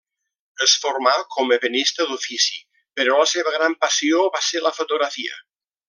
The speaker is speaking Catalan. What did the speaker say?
Es formà com ebenista d'ofici però la seva gran passió va ser la fotografia.